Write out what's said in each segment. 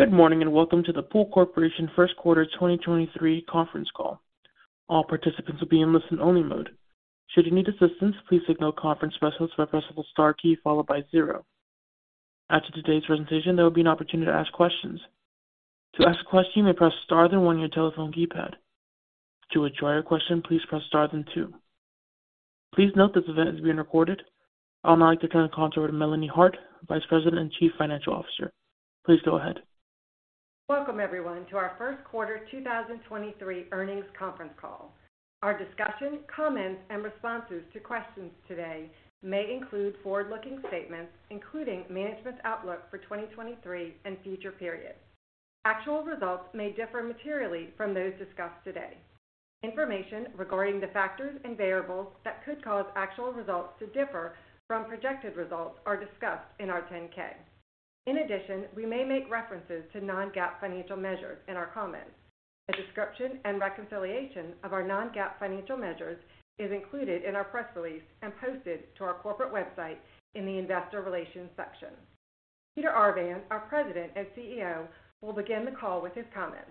Good morning, welcome to the Pool Corporation first quarter 2023 conference call. All participants will be in listen-only mode. Should you need assistance, please signal conference specialist by pressing star key followed by zero. After today's presentation, there will be an opportunity to ask questions. To ask a question, you may press star then one on your telephone keypad. To withdraw your question, please press star then two. Please note this event is being recorded. I would now like to turn the call over to Melanie Hart, Vice President and Chief Financial Officer. Please go ahead. Welcome, everyone, to our first quarter 2023 earnings conference call. Our discussion, comments, and responses to questions today may include forward-looking statements, including management's outlook for 2023 and future periods. Actual results may differ materially from those discussed today. Information regarding the factors and variables that could cause actual results to differ from projected results are discussed in our 10-K. In addition, we may make references to non-GAAP financial measures in our comments. A description and reconciliation of our non-GAAP financial measures is included in our press release and posted to our corporate website in the investor relations section. Peter Arvan, our President and CEO, will begin the call with his comments.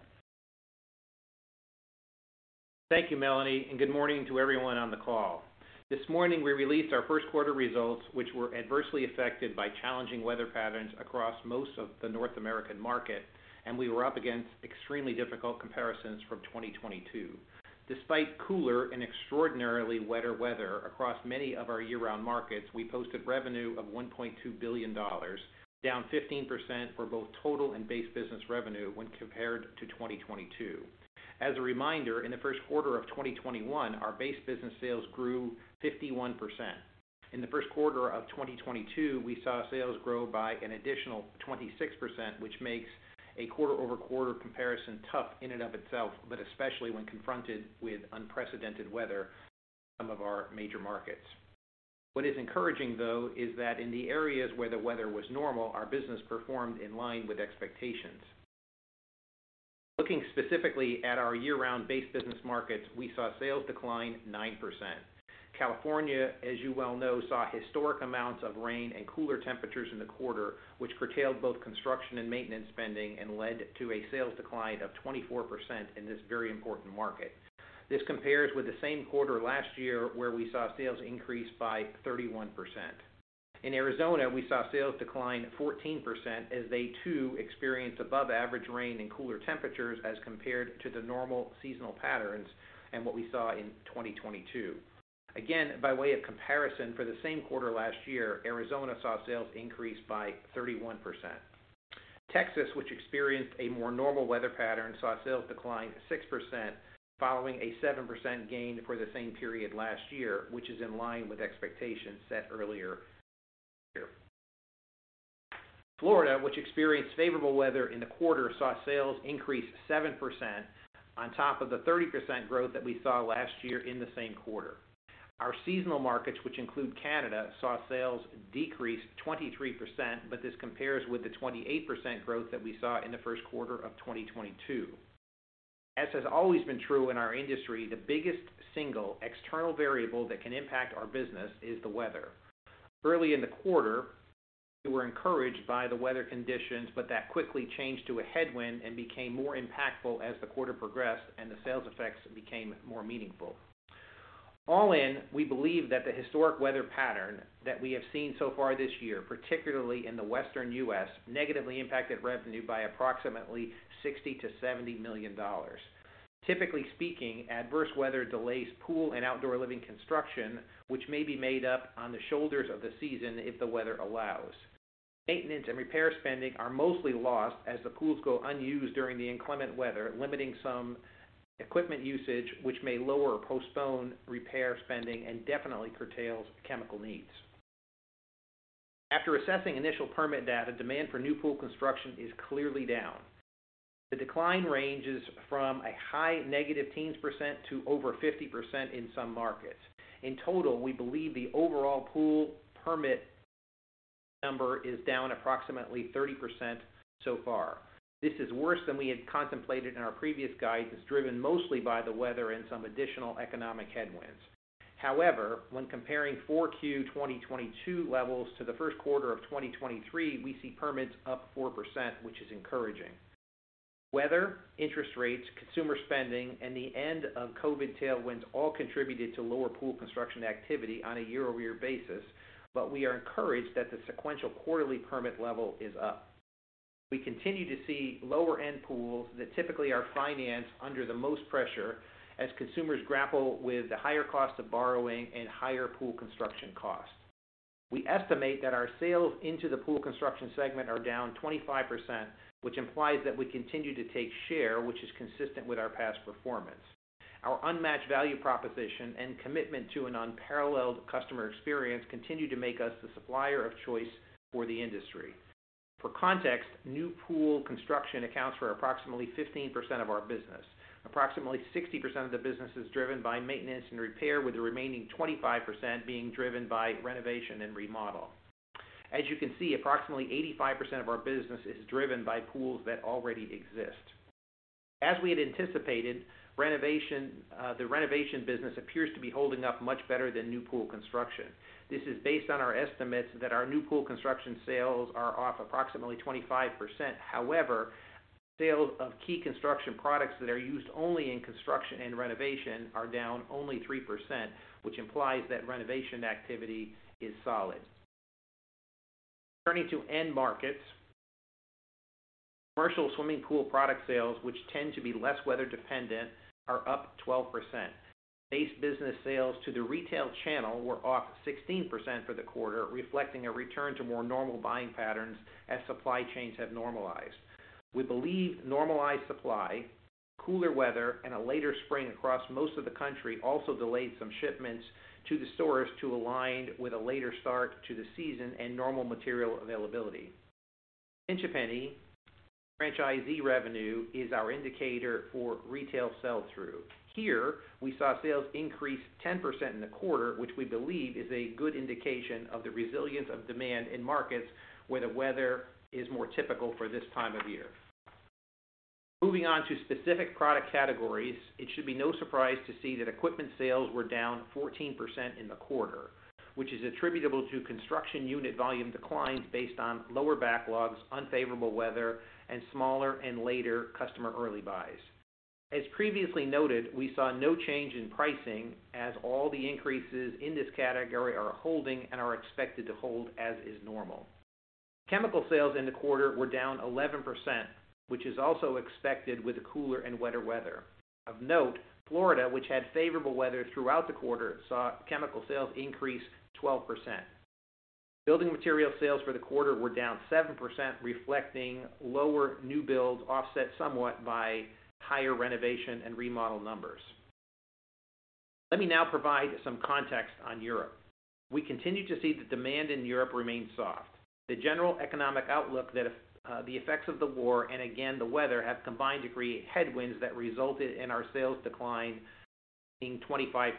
Thank you, Melanie. Good morning to everyone on the call. This morning, we released our first quarter results, which were adversely affected by challenging weather patterns across most of the North American market, and we were up against extremely difficult comparisons from 2022. Despite cooler and extraordinarily wetter weather across many of our year-round markets, we posted revenue of $1.2 billion, down 15% for both total and base business revenue when compared to 2022. As a reminder, in the first quarter of 2021, our base business sales grew 51%. In the first quarter of 2022, we saw sales grow by an additional 26%, which makes a quarter-over-quarter comparison tough in and of itself, but especially when confronted with unprecedented weather in some of our major markets. What is encouraging, though, is that in the areas where the weather was normal, our business performed in line with expectations. Looking specifically at our year-round base business markets, we saw sales decline 9%. California, as you well know, saw historic amounts of rain and cooler temperatures in the quarter, which curtailed both construction and maintenance spending and led to a sales decline of 24% in this very important market. This compares with the same quarter last year, where we saw sales increase by 31%. In Arizona, we saw sales decline 14% as they too experienced above average rain and cooler temperatures as compared to the normal seasonal patterns and what we saw in 2022. Again, by way of comparison, for the same quarter last year, Arizona saw sales increase by 31%. Texas, which experienced a more normal weather pattern, saw sales decline 6% following a 7% gain for the same period last year, which is in line with expectations set earlier this year. Florida, which experienced favorable weather in the quarter, saw sales increase 7% on top of the 30% growth that we saw last year in the same quarter. Our seasonal markets, which include Canada, saw sales decrease 23%, but this compares with the 28% growth that we saw in the first quarter of 2022. As has always been true in our industry, the biggest single external variable that can impact our business is the weather. Early in the quarter, we were encouraged by the weather conditions, but that quickly changed to a headwind and became more impactful as the quarter progressed and the sales effects became more meaningful. All in, we believe that the historic weather pattern that we have seen so far this year, particularly in the Western U.S., negatively impacted revenue by approximately $60 million-$70 million. Typically speaking, adverse weather delays pool and outdoor living construction, which may be made up on the shoulders of the season if the weather allows. Maintenance and repair spending are mostly lost as the pools go unused during the inclement weather, limiting some equipment usage, which may lower or postpone repair spending and definitely curtails chemical needs. After assessing initial permit data, demand for new pool construction is clearly down. The decline ranges from a high negative teens percent to over 50% in some markets. In total, we believe the overall pool permit number is down approximately 30% so far. This is worse than we had contemplated in our previous guidance, driven mostly by the weather and some additional economic headwinds. When comparing Q4 2022 levels to the first quarter of 2023, we see permits up 4%, which is encouraging. Weather, interest rates, consumer spending, and the end of COVID tailwinds all contributed to lower pool construction activity on a year-over-year basis, we are encouraged that the sequential quarterly permit level is up. We continue to see lower-end pools that typically are financed under the most pressure as consumers grapple with the higher cost of borrowing and higher pool construction costs. We estimate that our sales into the pool construction segment are down 25%, which implies that we continue to take share, which is consistent with our past performance. Our unmatched value proposition and commitment to an unparalleled customer experience continue to make us the supplier of choice for the industry. For context, new pool construction accounts for approximately 15% of our business. Approximately 60% of the business is driven by maintenance and repair, with the remaining 25% being driven by renovation and remodel. As you can see, approximately 85% of our business is driven by pools that already exist. As we had anticipated, renovation, the renovation business appears to be holding up much better than new pool construction. This is based on our estimates that our new pool construction sales are off approximately 25%. However, sales of key construction products that are used only in construction and renovation are down only 3%, which implies that renovation activity is solid. Turning to end markets, commercial swimming pool product sales, which tend to be less weather dependent, are up 12%. Base business sales to the retail channel were off 16% for the quarter, reflecting a return to more normal buying patterns as supply chains have normalized. We believe normalized supply, cooler weather, and a later spring across most of the country also delayed some shipments to the stores to align with a later start to the season and normal material availability. Pinch A Penny franchisee revenue is our indicator for retail sell-through. Here, we saw sales increase 10% in the quarter, which we believe is a good indication of the resilience of demand in markets where the weather is more typical for this time of year. Moving on to specific product categories, it should be no surprise to see that equipment sales were down 14% in the quarter, which is attributable to construction unit volume declines based on lower backlogs, unfavorable weather, and smaller and later customer early buys. As previously noted, we saw no change in pricing as all the increases in this category are holding and are expected to hold as is normal. Chemical sales in the quarter were down 11%, which is also expected with the cooler and wetter weather. Of note, Florida, which had favorable weather throughout the quarter, saw chemical sales increase 12%. Building material sales for the quarter were down 7%, reflecting lower new builds, offset somewhat by higher renovation and remodel numbers. Let me now provide some context on Europe. We continue to see that demand in Europe remains soft. The general economic outlook that if the effects of the war and again, the weather, have combined to create headwinds that resulted in our sales decline being 25%.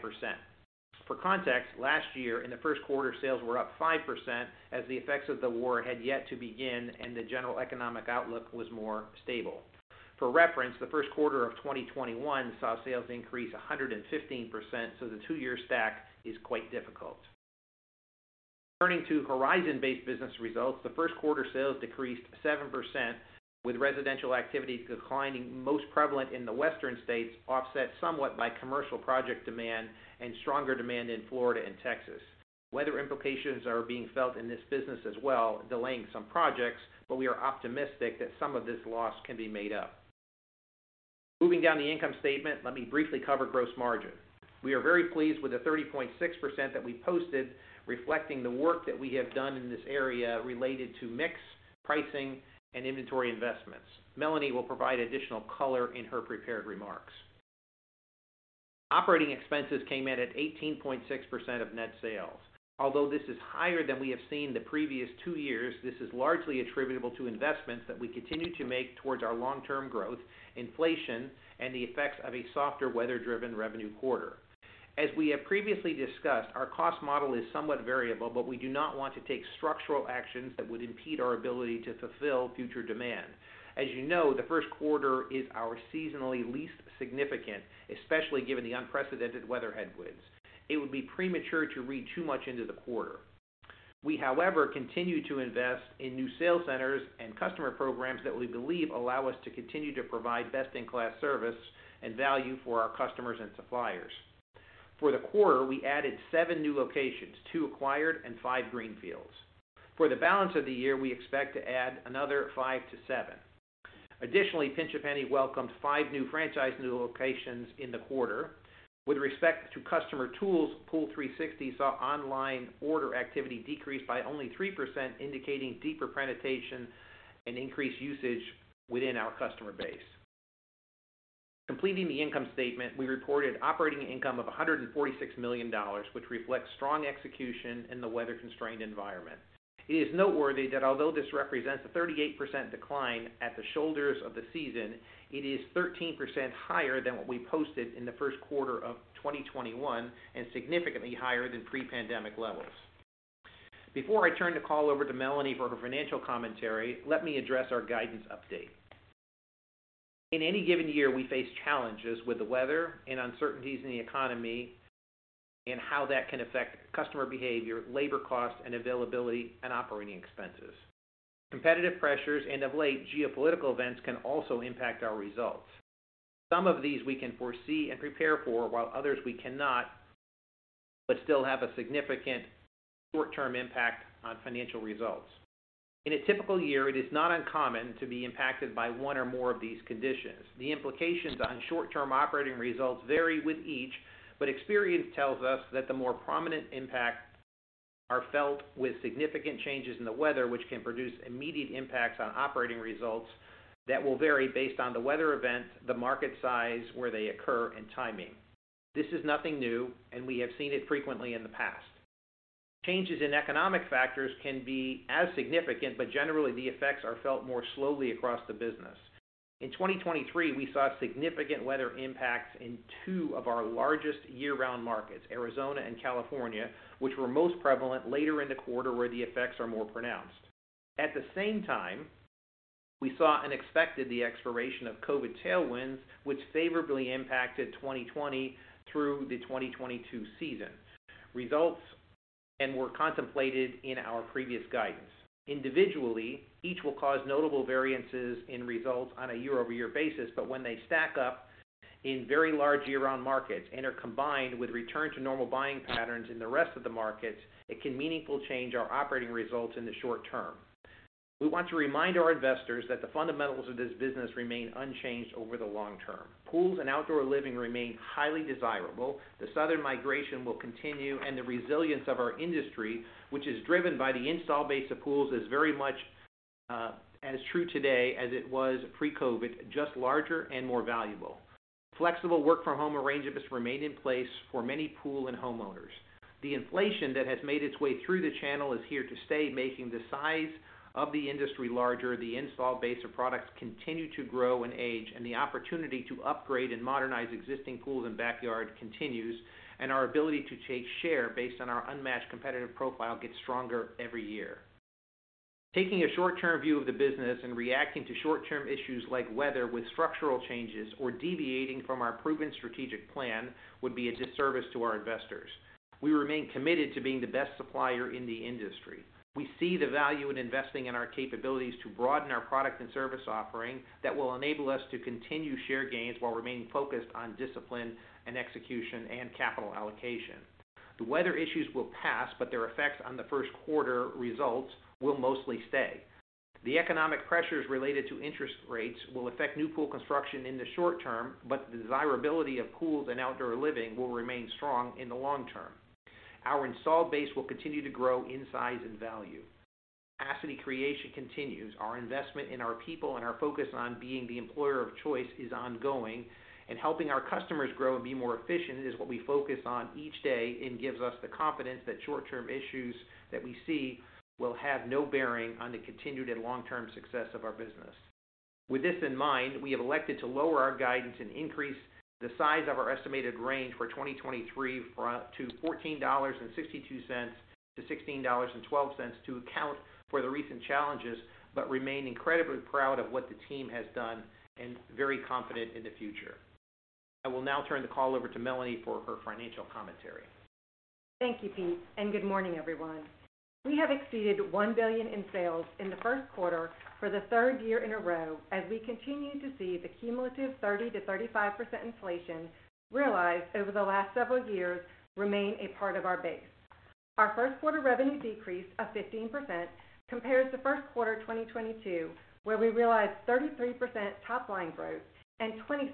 For context, last year in the first quarter, sales were up 5% as the effects of the war had yet to begin and the general economic outlook was more stable. For reference, the first quarter of 2021 saw sales increase 115%, so the two-year stack is quite difficult. Turning to Horizon's business results, the first quarter sales decreased 7% with residential activity declining most prevalent in the Western states, offset somewhat by commercial project demand and stronger demand in Florida and Texas. Weather implications are being felt in this business as well, delaying some projects, but we are optimistic that some of this loss can be made up. Moving down the income statement, let me briefly cover gross margin. We are very pleased with the 30.6% that we posted, reflecting the work that we have done in this area related to mix, pricing, and inventory investments. Melanie will provide additional color in her prepared remarks. Operating expenses came in at 18.6% of net sales. Although this is higher than we have seen the previous two years, this is largely attributable to investments that we continue to make towards our long-term growth, inflation, and the effects of a softer, weather-driven revenue quarter. As we have previously discussed, our cost model is somewhat variable, but we do not want to take structural actions that would impede our ability to fulfill future demand. As you know, the first quarter is our seasonally least significant, especially given the unprecedented weather headwinds. It would be premature to read too much into the quarter. We, however, continue to invest in new sales centers and customer programs that we believe allow us to continue to provide best-in-class service and value for our customers and suppliers. For the quarter, we added seven new locations, two acquired and five greenfields. For the balance of the year, we expect to add another five to seven. Additionally, Pinch A Penny welcomed five new franchise new locations in the quarter. With respect to customer tools, POOL360 saw online order activity decrease by only 3%, indicating deeper penetration and increased usage within our customer base. Completing the income statement, we reported operating income of $146 million, which reflects strong execution in the weather-constrained environment. It is noteworthy that although this represents a 38% decline at the shoulders of the season, it is 13% higher than what we posted in the first quarter of 2021 and significantly higher than pre-pandemic levels. Before I turn the call over to Melanie for her financial commentary, let me address our guidance update. In any given year, we face challenges with the weather and uncertainties in the economy and how that can affect customer behavior, labor cost and availability, and operating expenses. Competitive pressures and, of late, geopolitical events can also impact our results. Some of these we can foresee and prepare for, while others we cannot, but still have a significant short-term impact on financial results. In a typical year, it is not uncommon to be impacted by one or more of these conditions. The implications on short-term operating results vary with each, but experience tells us that the more prominent impacts are felt with significant changes in the weather, which can produce immediate impacts on operating results that will vary based on the weather event, the market size, where they occur, and timing. This is nothing new, and we have seen it frequently in the past. Changes in economic factors can be as significant, but generally, the effects are felt more slowly across the business. In 2023, we saw significant weather impacts in two of our largest year-round markets, Arizona and California, which were most prevalent later in the quarter where the effects are more pronounced. At the same time, we saw and expected the expiration of COVID tailwinds, which favorably impacted 2020 through the 2022 season. Results and were contemplated in our previous guidance. Individually, each will cause notable variances in results on a year-over-year basis, when they stack up in very large year-round markets and are combined with return to normal buying patterns in the rest of the markets, it can meaningfully change our operating results in the short-term. We want to remind our investors that the fundamentals of this business remain unchanged over the long-term. Pools and outdoor living remain highly desirable. The southern migration will continue, the resilience of our industry, which is driven by the install base of pools, is very much as true today as it was pre-COVID, just larger and more valuable. Flexible work from home arrangements remain in place for many pool and homeowners. The inflation that has made its way through the channel is here to stay, making the size of the industry larger. The install base of products continue to grow and age, and the opportunity to upgrade and modernize existing pools and backyard continues, and our ability to take share based on our unmatched competitive profile gets stronger every year. Taking a short-term view of the business and reacting to short-term issues like weather with structural changes or deviating from our proven strategic plan would be a disservice to our investors. We remain committed to being the best supplier in the industry. We see the value in investing in our capabilities to broaden our product and service offering that will enable us to continue share gains while remaining focused on discipline and execution and capital allocation. The weather issues will pass, their effects on the first quarter results will mostly stay. The economic pressures related to interest rates will affect new pool construction in the short-term. The desirability of pools and outdoor living will remain strong in the long-term. Our installed base will continue to grow in size and value. Capacity creation continues. Our investment in our people and our focus on being the employer of choice is ongoing. Helping our customers grow and be more efficient is what we focus on each day and gives us the confidence that short-term issues that we see will have no bearing on the continued and long-term success of our business. With this in mind, we have elected to lower our guidance and increase the size of our estimated range for 2023 to $14.62-$16.12 to account for the recent challenges, but remain incredibly proud of what the team has done and very confident in the future. I will now turn the call over to Melanie for her financial commentary. Thank you, Pete. Good morning, everyone. We have exceeded $1 billion in sales in the first quarter for the third year in a row as we continue to see the cumulative 30%-35% inflation realized over the last several years remain a part of our base. Our first quarter revenue decrease of 15% compares to first quarter 2022, where we realized 33% top line growth and 26%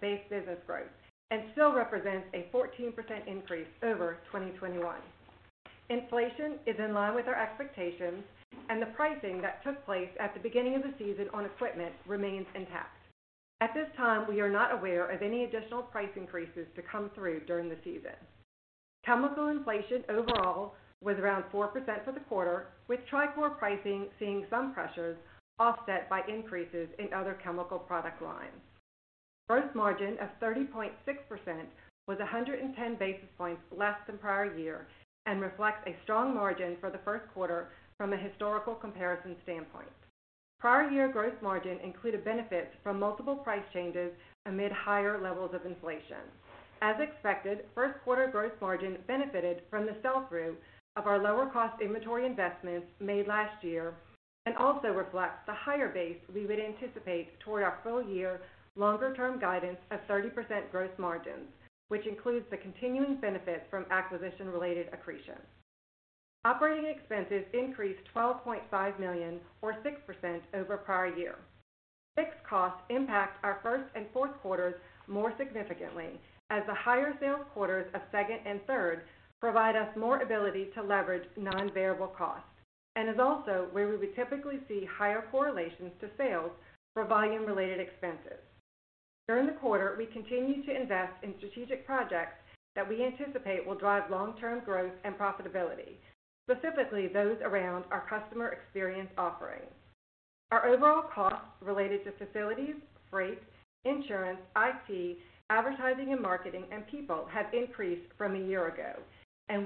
base business growth and still represents a 14% increase over 2021. Inflation is in line with our expectations and the pricing that took place at the beginning of the season on equipment remains intact. At this time, we are not aware of any additional price increases to come through during the season. Chemical inflation overall was around 4% for the quarter, with Trichlor pricing seeing some pressures offset by increases in other chemical product lines. Gross margin of 30.6% was 110 basis points less than prior year and reflects a strong margin for the first quarter from a historical comparison standpoint. Prior year gross margin included benefits from multiple price changes amid higher levels of inflation. As expected, first quarter gross margin benefited from the sell through of our lower cost inventory investments made last year and also reflects the higher base we would anticipate toward our full year longer-term guidance of 30% gross margins, which includes the continuing benefit from acquisition related accretion. Operating expenses increased $12.5 million or 6% over prior year. Fixed costs impact our first and fourth quarters more significantly as the higher sales quarters of second and third provide us more ability to leverage non-variable costs and is also where we would typically see higher correlations to sales for volume related expenses. During the quarter, we continued to invest in strategic projects that we anticipate will drive long-term growth and profitability, specifically those around our customer experience offerings. Our overall costs related to facilities, freight, insurance, IT, advertising and marketing, and people have increased from a year ago,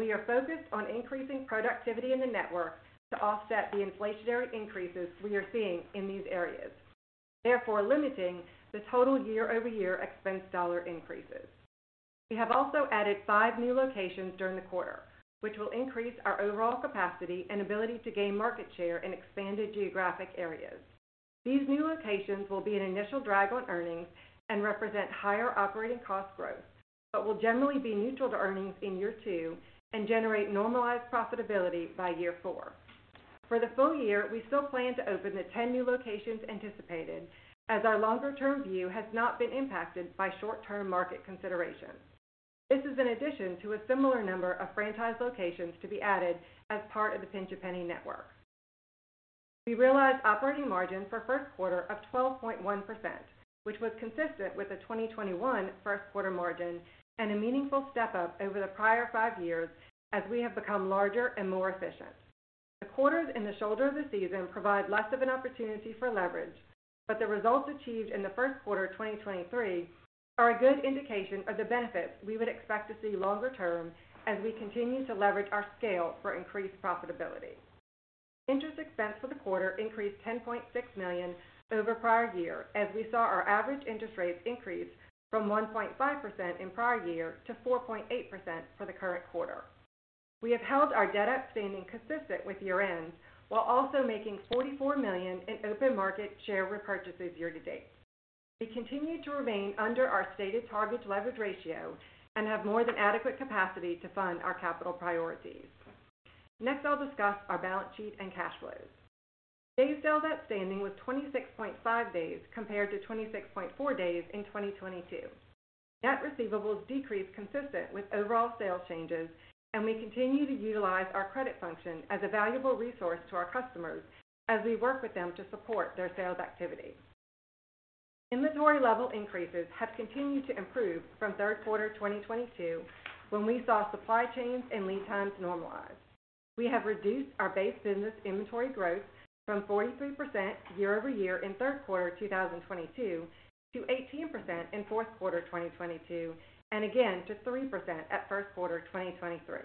we are focused on increasing productivity in the network to offset the inflationary increases we are seeing in these areas, therefore limiting the total year-over-year expense dollar increases. We have also added five new locations during the quarter, which will increase our overall capacity and ability to gain market share in expanded geographic areas. These new locations will be an initial drag on earnings and represent higher operating cost growth, but will generally be neutral to earnings in year two and generate normalized profitability by year four. For the full year, we still plan to open the 10 new locations anticipated as our longer-term view has not been impacted by short-term market considerations. This is in addition to a similar number of franchise locations to be added as part of the Pinch A Penny network. We realized operating margin for first quarter of 12.1%, which was consistent with the 2021 first quarter margin and a meaningful step up over the prior five years as we have become larger and more efficient. The quarters in the shoulder of the season provide less of an opportunity for leverage. The results achieved in the first quarter of 2023 are a good indication of the benefits we would expect to see longer-term as we continue to leverage our scale for increased profitability. Interest expense for the quarter increased $10.6 million over prior year as we saw our average interest rates increase from 1.5% in prior year to 4.8% for the current quarter. We have held our debt outstanding consistent with year-end, while also making $44 million in open market share repurchases year to date. We continue to remain under our stated target leverage ratio and have more than adequate capacity to fund our capital priorities. Next, I'll discuss our balance sheet and cash flows. Days sales outstanding was 26.5 days compared to 26.4 days in 2022. Net receivables decreased consistent with overall sales changes. We continue to utilize our credit function as a valuable resource to our customers as we work with them to support their sales activity. Inventory level increases have continued to improve from third quarter 2022, when we saw supply chains and lead times normalize. We have reduced our base business inventory growth from 43% year-over-year in third quarter 2022 to 18% in fourth quarter 2022. Again to 3% at first quarter 2023.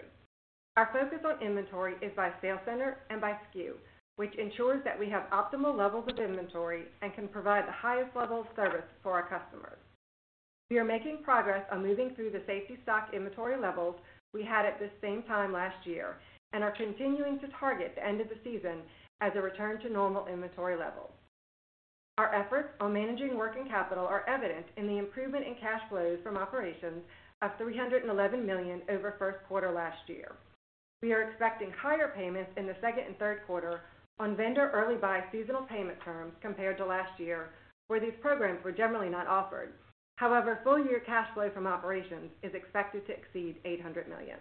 Our focus on inventory is by sales center and by SKU, which ensures that we have optimal levels of inventory and can provide the highest level of service for our customers. We are making progress on moving through the safety stock inventory levels we had at this same time last year and are continuing to target the end of the season as a return to normal inventory levels. Our efforts on managing working capital are evident in the improvement in cash flows from operations of $311 million over first quarter last year. We are expecting higher payments in the second and third quarter on vendor early buy seasonal payment terms compared to last year, where these programs were generally not offered. However, full year cash flow from operations is expected to exceed $800 million.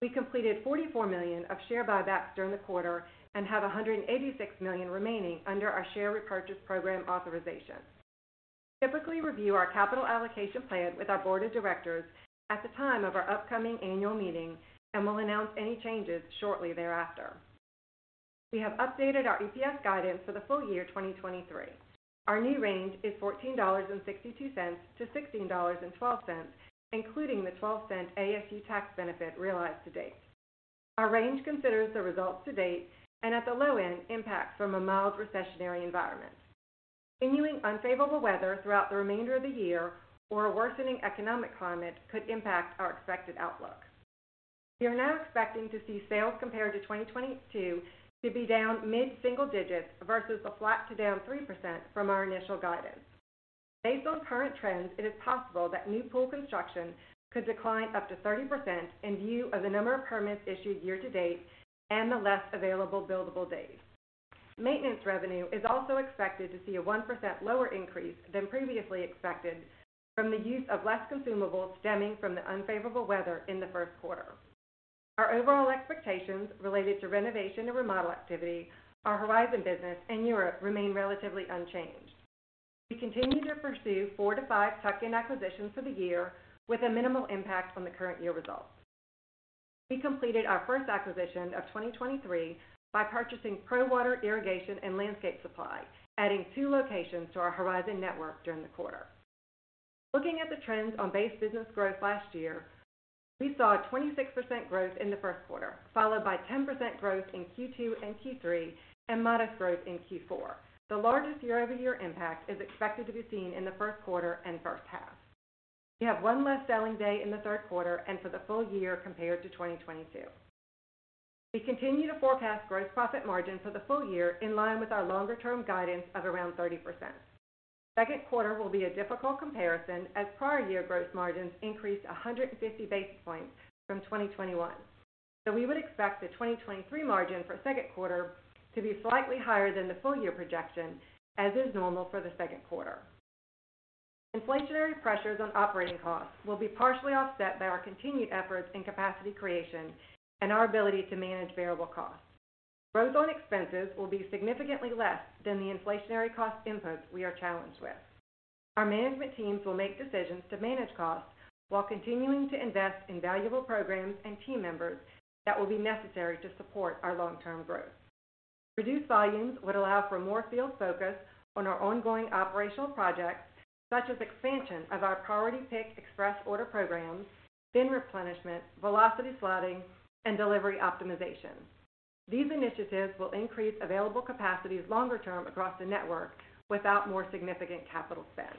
We completed $44 million of share buybacks during the quarter and have $186 million remaining under our share repurchase program authorization. We typically review our capital allocation plan with our board of directors at the time of our upcoming annual meeting. We'll announce any changes shortly thereafter. We have updated our EPS guidance for the full year 2023. Our new range is $14.62-$16.12, including the $0.12 ASU tax benefit realized to date. Our range considers the results to date and at the low end impact from a mild recessionary environment. Continuing unfavorable weather throughout the remainder of the year or a worsening economic climate could impact our expected outlook. We are now expecting to see sales compared to 2022 to be down mid-single digits versus a flat to down 3% from our initial guidance. Based on current trends, it is possible that new pool construction could decline up to 30% in view of the number of permits issued year to date and the less available buildable days. Maintenance revenue is also expected to see a 1% lower increase than previously expected from the use of less consumables stemming from the unfavorable weather in the first quarter. Our overall expectations related to renovation and remodel activity, our Horizon business, and Europe remain relatively unchanged. We continue to pursue four to five tuck-in acquisitions for the year with a minimal impact on the current year results. We completed our first acquisition of 2023 by purchasing Pro-Water Irrigation & Landscape Supply, adding two locations to our Horizon network during the quarter. Looking at the trends on base business growth last year, we saw a 26% growth in the first quarter, followed by 10% growth in Q2 and Q3, and modest growth in Q4. The largest year-over-year impact is expected to be seen in the first quarter and first half. We have one less selling day in the third quarter and for the full year compared to 2022. We continue to forecast gross profit margin for the full year in line with our longer-term guidance of around 30%. Second quarter will be a difficult comparison as prior year gross margins increased 150 basis points from 2021. We would expect the 2023 margin for second quarter to be slightly higher than the full year projection, as is normal for the second quarter. Inflationary pressures on operating costs will be partially offset by our continued efforts in capacity creation and our ability to manage variable costs. Growth on expenses will be significantly less than the inflationary cost inputs we are challenged with. Our management teams will make decisions to manage costs while continuing to invest in valuable programs and team members that will be necessary to support our long-term growth. Reduced volumes would allow for more field focus on our ongoing operational projects, such as expansion of our Priority Pick express order programs, bin replenishment, velocity slotting, and delivery optimization. These initiatives will increase available capacities longer-term across the network without more significant capital spend.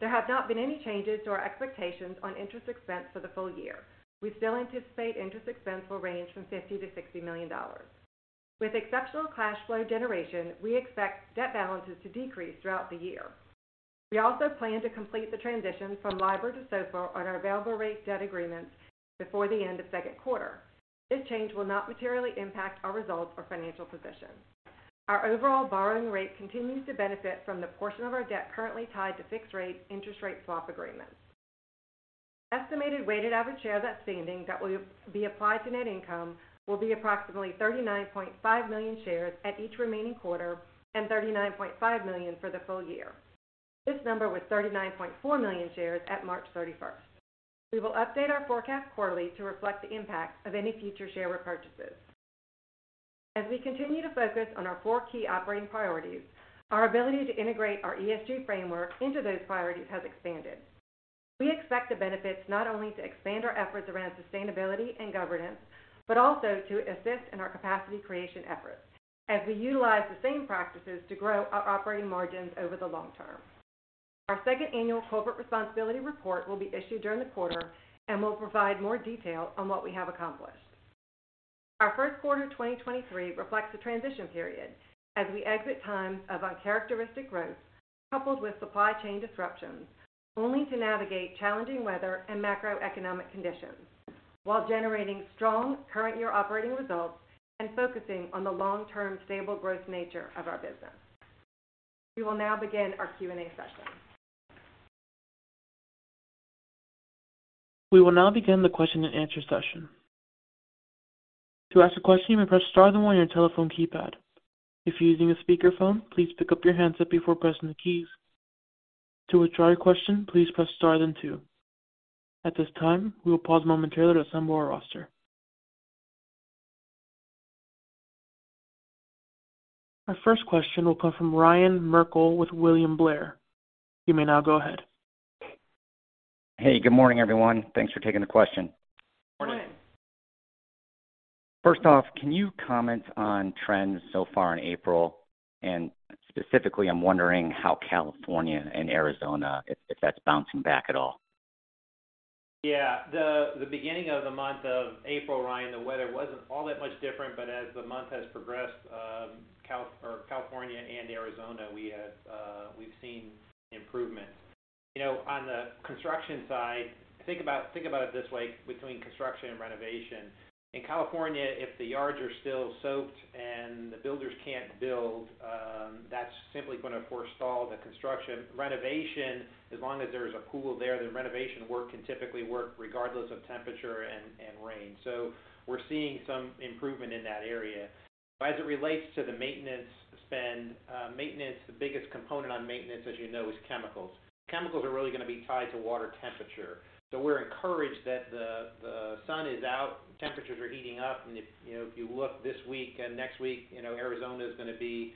There have not been any changes to our expectations on interest expense for the full year. We still anticipate interest expense will range from $50 million-$60 million. With exceptional cash flow generation, we expect debt balances to decrease throughout the year. We also plan to complete the transition from LIBOR to SOFR on our available rate debt agreements before the end of second quarter. This change will not materially impact our results or financial position. Our overall borrowing rate continues to benefit from the portion of our debt currently tied to fixed rate interest rate swap agreements. Estimated weighted average shares outstanding that will be applied to net income will be approximately 39.5 million shares at each remaining quarter and 39.5 million for the full year. This number was 39.4 million shares at March 31st. We will update our forecast quarterly to reflect the impact of any future share repurchases. As we continue to focus on our four key operating priorities, our ability to integrate our ESG framework into those priorities has expanded. We expect the benefits not only to expand our efforts around sustainability and governance, but also to assist in our capacity creation efforts as we utilize the same practices to grow our operating margins over the long-term. Our second annual corporate responsibility report will be issued during the quarter and will provide more detail on what we have accomplished. Our first quarter 2023 reflects a transition period as we exit times of uncharacteristic growth coupled with supply chain disruptions, only to navigate challenging weather and macroeconomic conditions while generating strong current year operating results and focusing on the long-term stable growth nature of our business. We will now begin our Q&A session. We will now begin the question-and-answer session. To ask a question, you may press star then one on your telephone keypad. If you're using a speakerphone, please pick up your handset before pressing the keys. To withdraw your question, please press star then two. At this time, we will pause momentarily to assemble our roster. Our first question will come from Ryan Merkel with William Blair. You may now go ahead. Hey, good morning, everyone. Thanks for taking the question. Morning. First off, can you comment on trends so far in April, and specifically, I'm wondering how California and Arizona, if that's bouncing back at all? The beginning of the month of April, Ryan, the weather wasn't all that much different. As the month has progressed, California and Arizona, we've seen improvement. You know, on the construction side, think about it this way between construction and renovation. In California, if the yards are still soaked and the builders can't build, that's simply gonna forestall the construction. Renovation, as long as there's a pool there, the renovation work can typically work regardless of temperature and rain. We're seeing some improvement in that area. As it relates to the maintenance spend, maintenance, the biggest component on maintenance, as you know, is chemicals. Chemicals are really gonna be tied to water temperature. We're encouraged that the sun is out, temperatures are heating up, and if, you know, if you look this week and next week, you know, Arizona is gonna be,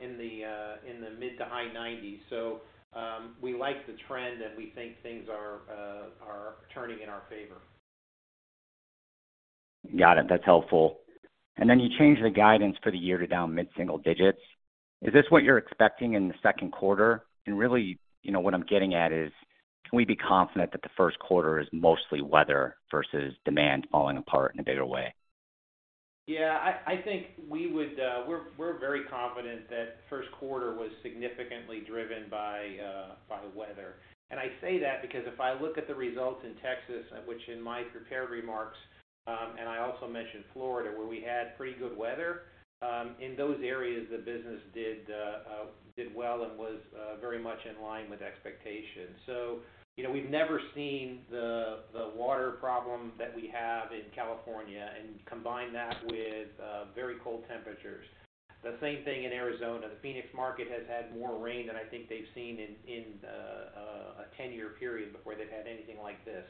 in the mid to high nineties. We like the trend, and we think things are turning in our favor. Got it. That's helpful. Then you changed the guidance for the year to down mid-single digits. Is this what you're expecting in the second quarter? Really, you know, what I'm getting at is, can we be confident that the first quarter is mostly weather versus demand falling apart in a bigger way? Yeah. I think we would, we're very confident that first quarter was significantly driven by the weather. I say that because if I look at the results in Texas, which in my prepared remarks, and I also mentioned Florida, where we had pretty good weather, in those areas, the business did well and was very much in line with expectations. You know, we've never seen the water problem that we have in California and combine that with very cold temperatures. The same thing in Arizona. The Phoenix market has had more rain than I think they've seen in a 10-year period before they've had anything like this.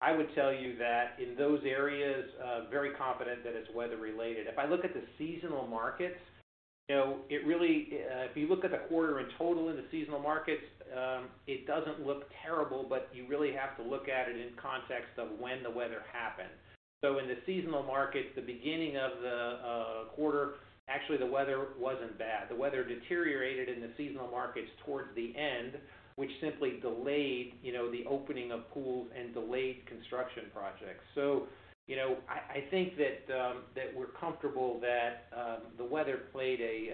I would tell you that in those areas, very confident that it's weather related. If I look at the seasonal markets, you know, it really, if you look at the quarter in total in the seasonal markets, it doesn't look terrible, but you really have to look at it in context of when the weather happened. In the seasonal markets, the beginning of the quarter, actually, the weather wasn't bad. The weather deteriorated in the seasonal markets towards the end, which simply delayed, you know, the opening of pools and delayed construction projects. You know, I think that we're comfortable that the weather played a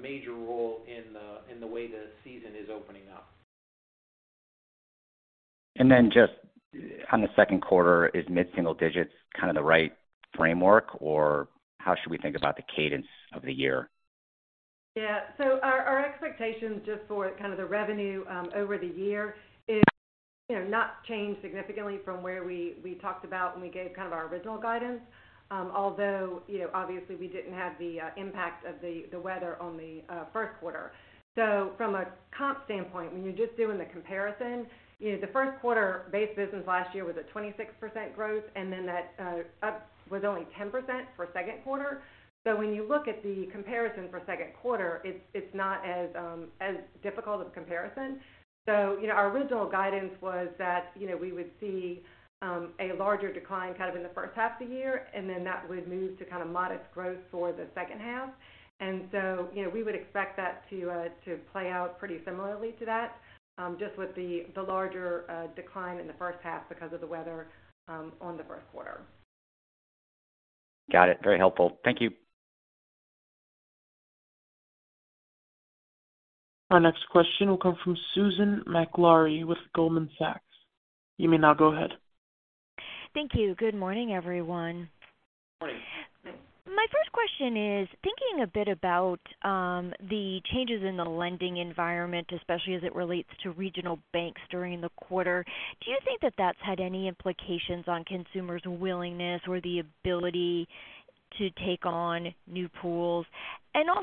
major role in the way the season is opening up. Just on the second quarter, is mid-single digits kind of the right framework, or how should we think about the cadence of the year? Yeah. Our, our expectations just for kind of the revenue over the year is, you know, not changed significantly from where we talked about when we gave kind of our original guidance. Although, you know, obviously, we didn't have the impact of the weather on the first quarter. From a comp standpoint, when you're just doing the comparison, you know, the first quarter base business last year was at 26% growth, and then that up was only 10% for second quarter. When you look at the comparison for second quarter, it's not as difficult of a comparison. You know, our original guidance was that, you know, we would see a larger decline kind of in the first half of the year, and then that would move to kind of modest growth for the second half. You know, we would expect that to play out pretty similarly to that, just with the larger decline in the first half because of the weather on the first quarter. Got it. Very helpful. Thank you. Our next question will come from Susan Maklari with Goldman Sachs. You may now go ahead. Thank you. Good morning, everyone. Morning. My first question is, thinking a bit about the changes in the lending environment, especially as it relates to regional banks during the quarter, do you think that that's had any implications on consumers' willingness or the ability to take on new pools?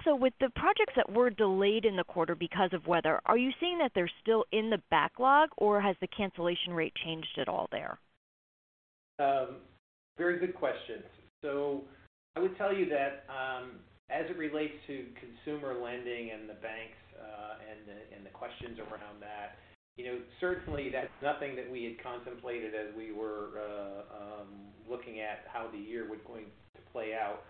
Also with the projects that were delayed in the quarter because of weather, are you seeing that they're still in the backlog or has the cancellation rate changed at all there? Very good question. I would tell you that, as it relates to consumer lending and the banks, and the questions around that, you know, certainly that's nothing that we had contemplated as we were looking at how the year was going to play out.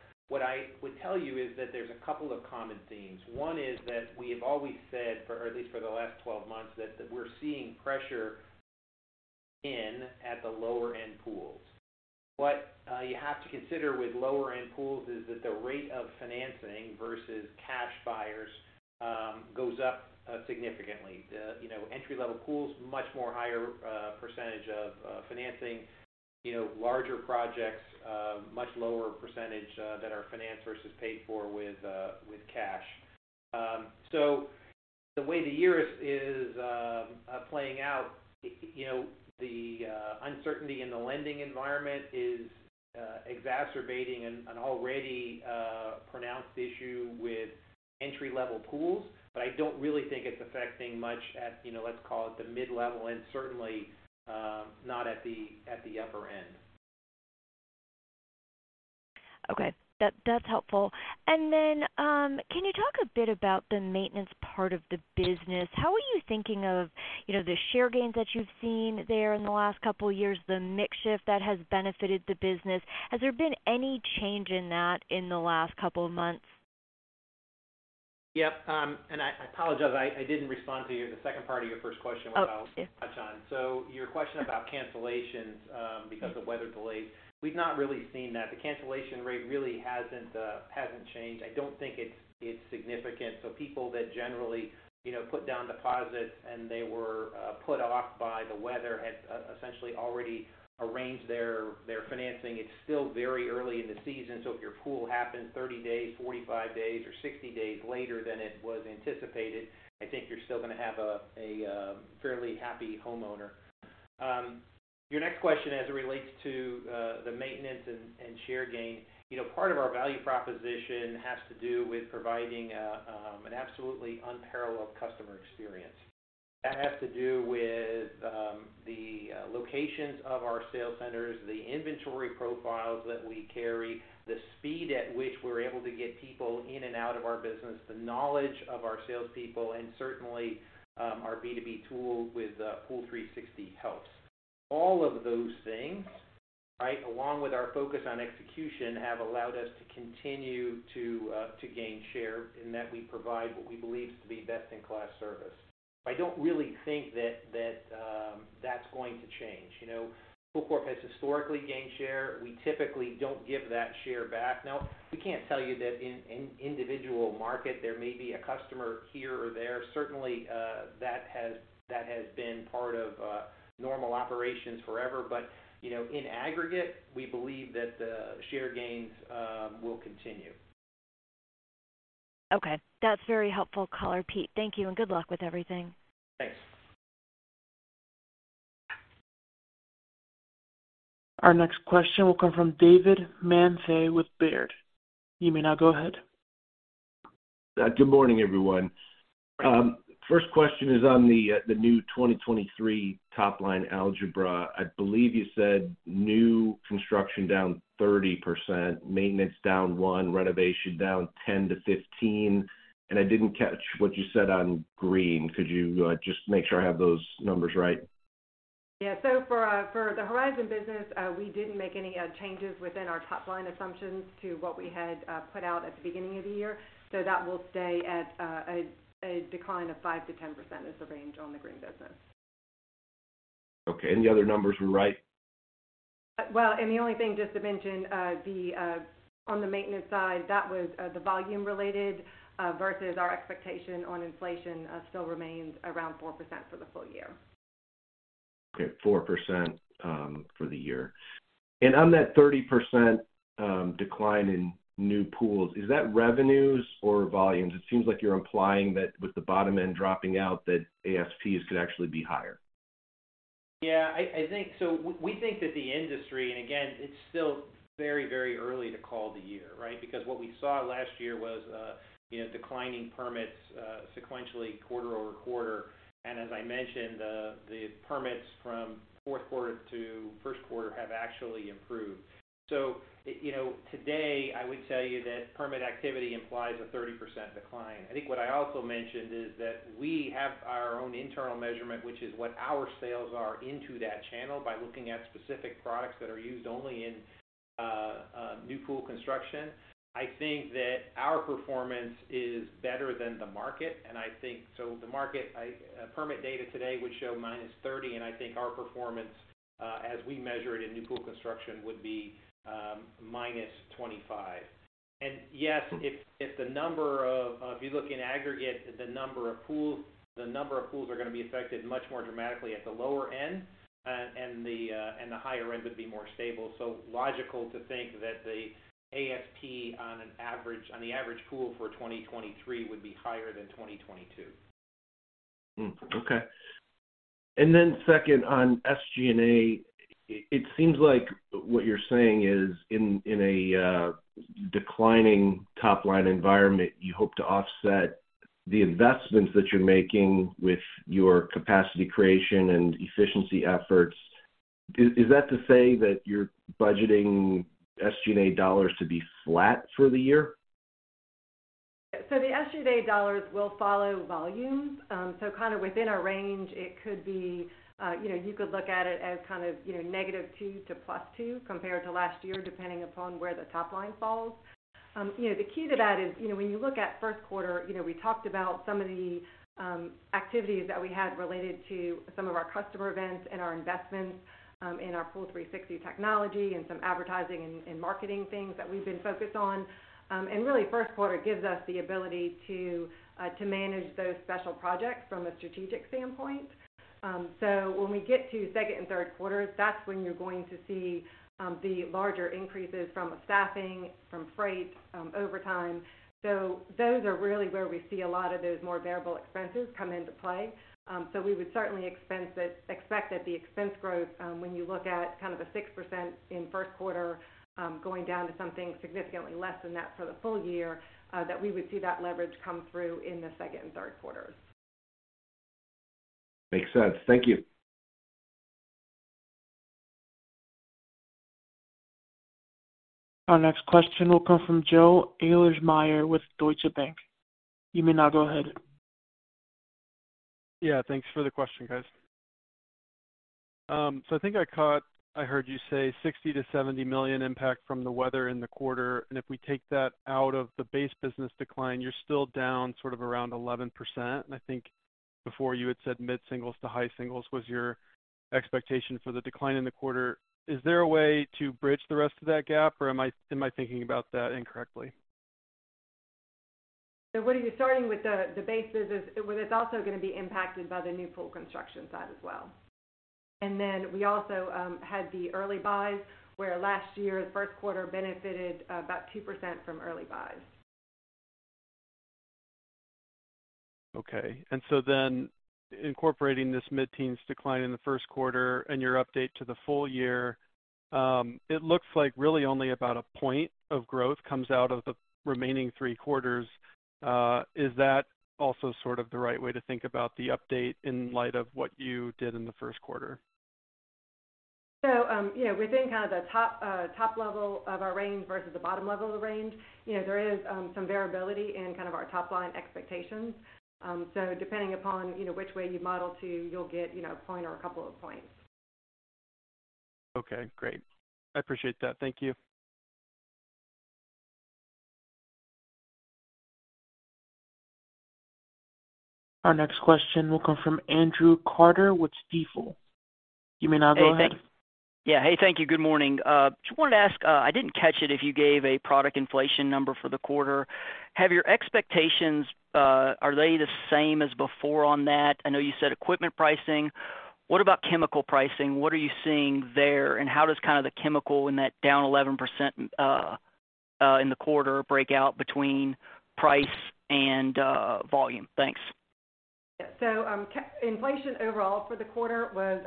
I would tell you is that there's a couple of common themes. One is that we have always said, for at least for the last 12 months, that we're seeing pressure in at the lower end pools. You have to consider with lower end pools is that the rate of financing versus cash buyers goes up significantly. The, you know, entry-level pools, much more higher percentage of financing, you know, larger projects, much lower percentage that are financed versus paid for with cash. The way the year is playing out, you know, the uncertainty in the lending environment is exacerbating an already pronounced issue with entry-level pools. I don't really think it's affecting much at, you know, let's call it the mid-level and certainly not at the upper end. Okay. That's helpful. Then, can you talk a bit about the maintenance part of the business? How are you thinking of, you know, the share gains that you've seen there in the last couple of years, the mix shift that has benefited the business? Has there been any change in that in the last couple of months? Yep. I apologize, I didn't respond to your, the second part of your first question. Oh, yeah. Without touch on. Your question about cancellations, because of weather delays, we've not really seen that. The cancellation rate really hasn't changed. I don't think it's significant. People that generally, you know, put down deposits and they were put off by the weather had essentially already arranged their financing. It's still very early in the season. If your pool happens 30 days, 45 days, or 60 days later than it was anticipated, I think you're still gonna have a fairly happy homeowner. Your next question as it relates to the maintenance and share gain. You know, part of our value proposition has to do with providing an absolutely unparalleled customer experience. That has to do with the locations of our sales centers, the inventory profiles that we carry, the speed at which we're able to get people in and out of our business, the knowledge of our salespeople, and certainly, our B2B tool with POOL360 helps. All of those things, right, along with our focus on execution, have allowed us to continue to gain share in that we provide what we believe to be best-in-class service. I don't really think that that's going to change. You know, Pool Corp has historically gained share. We typically don't give that share back. We can't tell you that in an individual market there may be a customer here or there. Certainly, that has been part of normal operations forever. You know, in aggregate, we believe that the share gains, will continue. Okay. That's very helpful color, Pete. Thank you, and good luck with everything. Thanks. Our next question will come from David Manthey with Baird. You may now go ahead. Good morning, everyone. First question is on the new 2023 top-line algebra. I believe you said new construction down 30%, maintenance down 1%, renovation down 10%-15%. I didn't catch what you said on green. Could you just make sure I have those numbers right? Yeah. For the Horizon business, we didn't make any changes within our top-line assumptions to what we had put out at the beginning of the year. That will stay at a decline of 5%-10% as the range on the green business. Okay. The other numbers were right? The only thing just to mention, the on the maintenance side, that was the volume related, versus our expectation on inflation, still remains around 4% for the full year. Okay. 4% for the year. On that 30% decline in new pools, is that revenues or volumes? It seems like you're implying that with the bottom end dropping out, that ASPs could actually be higher. I think we think that the industry, again, it's still very early to call the year, right? Because what we saw last year was, you know, declining permits sequentially quarter-over-quarter. As I mentioned, the permits from fourth quarter to first quarter have actually improved. You know, today I would tell you that permit activity implies a 30% decline. I think what I also mentioned is that we have our own internal measurement, which is what our sales are into that channel by looking at specific products that are used only in new pool construction. I think that our performance is better than the market. I think the market permit data today would show -30, and I think our performance as we measure it in new pool construction would be -25. Yes, if the number of, if you look in aggregate, the number of pools are gonna be affected much more dramatically at the lower end, and the higher end would be more stable. Logical to think that the ASP on the average pool for 2023 would be higher than 2022. Okay. Second on SG&A, it seems like what you're saying is in a declining top line environment, you hope to offset the investments that you're making with your capacity creation and efficiency efforts. Is that to say that you're budgeting SG&A dollars to be flat for the year? The SG&A dollars will follow volumes. Kind of within a range, it could be, you know, you could look at it as kind of, you know, -2% to +2% compared to last year, depending upon where the top line falls. You know, the key to that is, you know, when you look at first quarter, you know, we talked about some of the activities that we had related to some of our customer events and our investments in our POOL360 technology and some advertising and marketing things that we've been focused on. And really, first quarter gives us the ability to manage those special projects from a strategic standpoint. When we get to second and third quarters, that's when you're going to see the larger increases from staffing, from freight, overtime. Those are really where we see a lot of those more variable expenses come into play. We would certainly expect that the expense growth, when you look at kind of the 6% in first quarter, going down to something significantly less than that for the full year, that we would see that leverage come through in the second and third quarters. Makes sense. Thank you. Our next question will come from Joe Ahlersmeyer with Deutsche Bank. You may now go ahead. Yeah, thanks for the question, guys. I think I heard you say $60 million-$70 million impact from the weather in the quarter. If we take that out of the base business decline, you're still down sort of around 11%. I think before you had said mid-singles to high singles was your expectation for the decline in the quarter. Is there a way to bridge the rest of that gap, or am I thinking about that incorrectly? What are you starting with the base business? It's also gonna be impacted by the new pool construction side as well. We also had the early buys, where last year's first quarter benefited about 2% from early buys. Okay. Incorporating this mid-teens decline in the first quarter and your update to the full year, it looks like really only about a point of growth comes out of the remaining three quarters. Is that also sort of the right way to think about the update in light of what you did in the first quarter? Yeah, within kind of the top level of our range versus the bottom level of the range, you know, there is some variability in kind of our top line expectations. Depending upon, you know, which way you model to, you'll get, you know, a point or a couple of points. Okay, great. I appreciate that. Thank you. Our next question will come from Andrew Carter with Stifel. You may now go ahead. Yeah. Hey, thank you. Good morning. Just wanted to ask, I didn't catch it if you gave a product inflation number for the quarter. Have your expectations, are they the same as before on that? I know you said equipment pricing. What about chemical pricing? What are you seeing there? How does kind of the chemical in that down 11%, in the quarter break out between price and volume? Thanks. Inflation overall for the quarter was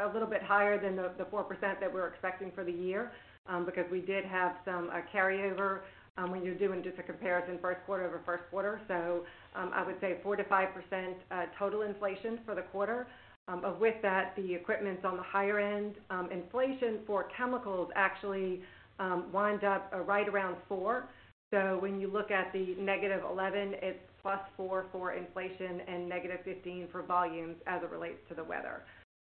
a little bit higher than the 4% that we're expecting for the year because we did have some carryover when you're doing just a comparison first quarter over first quarter. I would say 4%-5% total inflation for the quarter. With that, the equipment's on the higher end. Inflation for chemicals actually wind up right around four. When you look at the -11, it's +4 for inflation and negative 15 for volumes as it relates to the weather.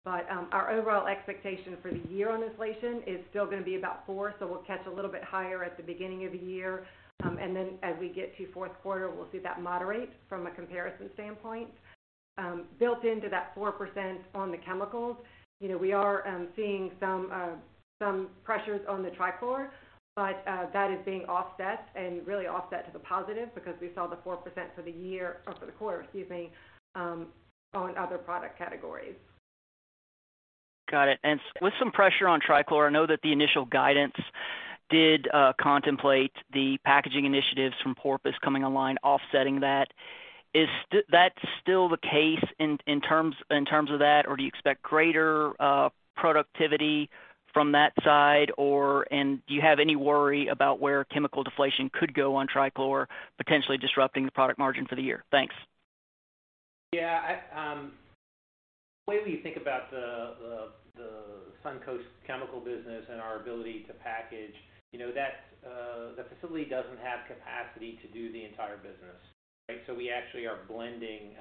Our overall expectation for the year on inflation is still gonna be about four, so we'll catch a little bit higher at the beginning of the year. And then as we get to fourth quarter, we'll see that moderate from a comparison standpoint. Built into that 4% on the chemicals, you know, we are seeing some pressures on the Trichlor, but that is being offset and really offset to the positive because we saw the 4% for the year, or for the quarter, excuse me, on other product categories. Got it. With some pressure on Trichlor, I know that the initial guidance did contemplate the packaging initiatives from Porpoise coming online offsetting that. Is that still the case in terms of that, or do you expect greater productivity from that side, or and do you have any worry about where chemical deflation could go on Trichlor, potentially disrupting the product margin for the year? Thanks. Yeah. I, the way we think about the Suncoast chemical business and our ability to package, you know, that, the facility doesn't have capacity to do the entire business, right? We actually are blending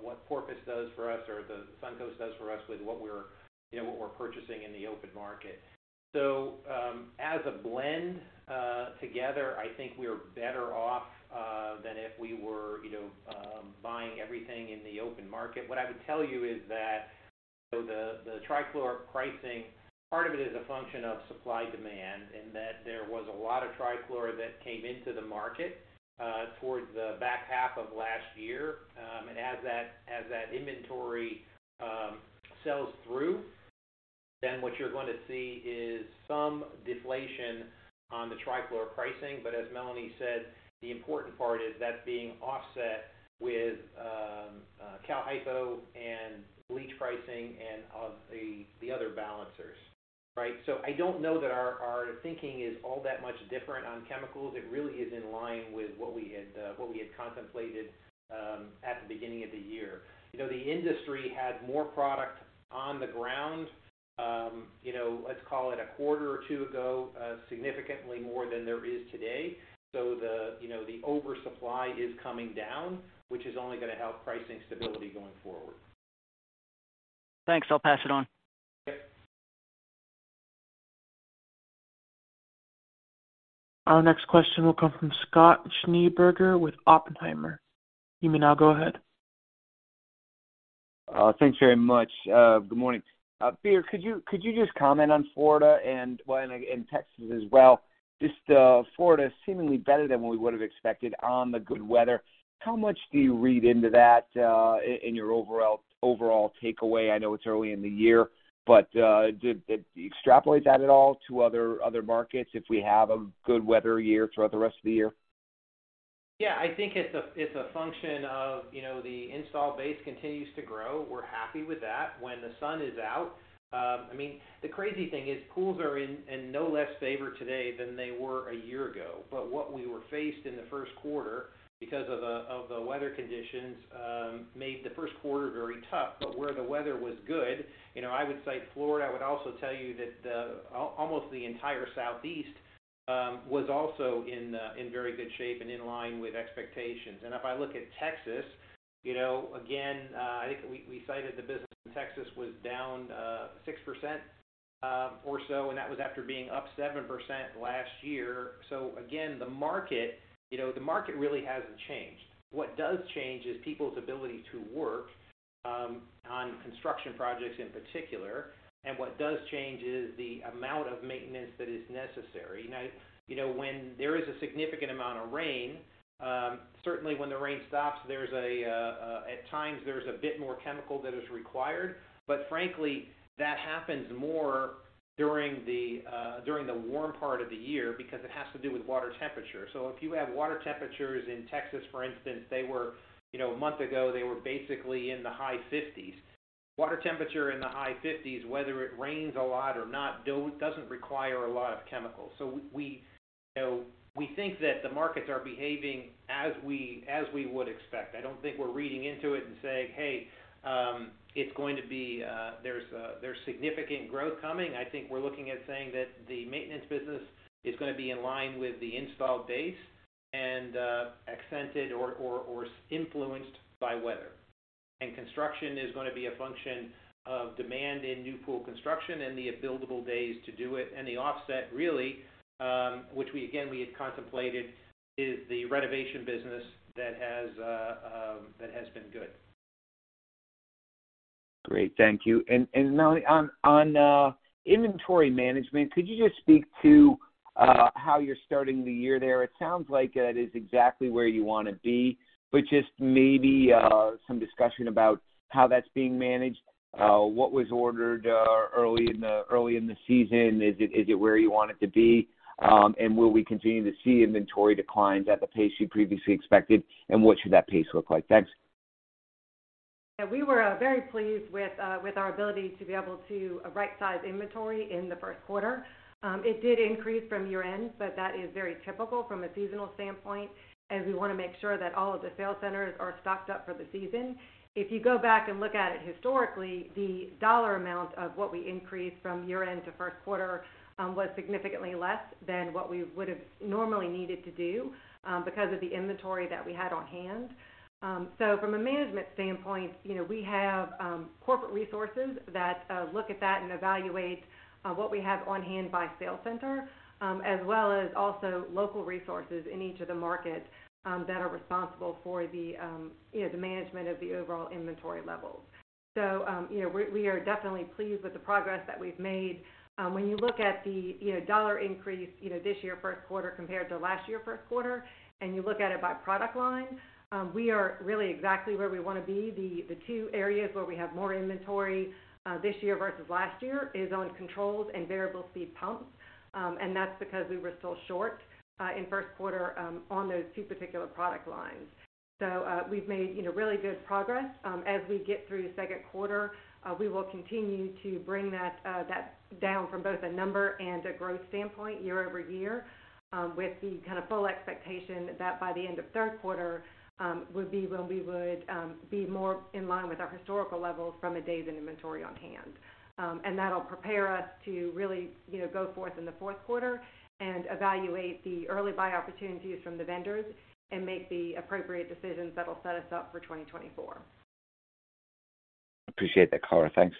what Porpoise does for us or the Suncoast does for us with what we're, you know, what we're purchasing in the open market. As a blend together, I think we are better off than if we were, you know, buying everything in the open market. What I would tell you is that, you know, the Trichlor pricing, part of it is a function of supply-demand, in that there was a lot of Trichlor that came into the market towards the back half of last year. As that inventory sells through, what you're going to see is some deflation on the Trichlor pricing. As Melanie Hart said, the important part is that being offset with Cal-Hypo and bleach pricing and of the other balancers, right? I don't know that our thinking is all that much different on chemicals. It really is in line with what we had contemplated at the beginning of the year. You know, the industry had more product on the ground, you know, let's call it a quarter or two ago, significantly more than there is today. The, you know, the oversupply is coming down, which is only going to help pricing stability going forward. Thanks. I'll pass it on. Okay. Our next question will come from Scott Schneeberger with Oppenheimer. You may now go ahead. Thanks very much. Good morning. Peter, could you just comment on Florida and, well, and Texas as well, just, Florida seemingly better than we would have expected on the good weather. How much do you read into that, in your overall takeaway? I know it's early in the year, but, do you extrapolate that at all to other markets if we have a good weather year throughout the rest of the year? Yeah. I think it's a function of, you know, the install base continues to grow. We're happy with that. When the sun is out, I mean, the crazy thing is pools are in no less favor today than they were a year ago. What we were faced in the first quarter because of the weather conditions made the first quarter very tough. Where the weather was good, you know, I would cite Florida. I would also tell you that almost the entire Southeast was also in very good shape and in line with expectations. If I look at Texas, you know, again, I think we cited the business in Texas was down 6% or so, and that was after being up 7% last year. Again, the market, you know, the market really hasn't changed. What does change is people's ability to work on construction projects in particular, and what does change is the amount of maintenance that is necessary. You know, when there is a significant amount of rain, certainly when the rain stops, at times, there's a bit more chemical that is required. Frankly, that happens more during the warm part of the year because it has to do with water temperature. If you have water temperatures in Texas, for instance, they were, you know, a month ago, they were basically in the high 50s. Water temperature in the high 50s, whether it rains a lot or not, doesn't require a lot of chemicals. We, you know, we think that the markets are behaving as we would expect. I don't think we're reading into it and saying, "Hey, it's going to be, there's significant growth coming." I think we're looking at saying that the maintenance business is gonna be in line with the installed base and accented or influenced by weather. Construction is gonna be a function of demand in new pool construction and the billable days to do it. The offset really, which we again had contemplated, is the renovation business that has been good. Great. Thank you. Now on inventory management, could you just speak to how you're starting the year there? It sounds like that is exactly where you wanna be, but just maybe some discussion about how that's being managed, what was ordered early in the season. Is it where you want it to be? Will we continue to see inventory declines at the pace you previously expected? And what should that pace look like? Thanks. We were very pleased with our ability to be able to right-size inventory in the first quarter. It did increase from year-end, but that is very typical from a seasonal standpoint, as we wanna make sure that all of the sales centers are stocked up for the season. You go back and look at it historically, the dollar amount of what we increased from year-end to first quarter was significantly less than what we would have normally needed to do because of the inventory that we had on hand. From a management standpoint, you know, we have corporate resources that look at that and evaluate what we have on hand by sales center, as well as also local resources in each of the markets that are responsible for the, you know, the management of the overall inventory levels. You know, we are definitely pleased with the progress that we've made. When you look at the, you know, dollar increase, you know, this year first quarter compared to last year first quarter, and you look at it by product line, we are really exactly where we wanna be. The two areas where we have more inventory this year versus last year is on controls and variable speed pumps, and that's because we were still short in first quarter on those two particular product lines. We've made, you know, really good progress. As we get through the second quarter, we will continue to bring that down from both a number and a growth standpoint year-over-year, with the kind of full expectation that by the end of third quarter would be when we would be more in line with our historical levels from a days and inventory on hand. That'll prepare us to really, you know, go forth in the fourth quarter and evaluate the early buy opportunities from the vendors and make the appropriate decisions that'll set us up for 2024. Appreciate that, Carla. Thanks.